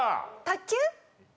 卓球？